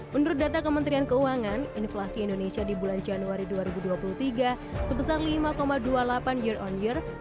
menurut data kementerian keuangan inflasi indonesia di bulan januari dua ribu dua puluh tiga sebesar lima dua puluh delapan year on year